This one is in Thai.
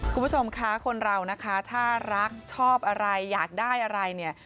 คุณผู้ชมคะคนเรานะคะถ้ารักชอบอะไรอยากได้อะไรเนี่ย